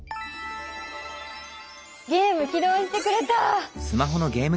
ゲーム起動してくれた！